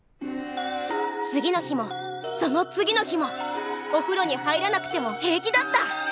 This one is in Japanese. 次の日もその次の日もおふろに入らなくても平気だった。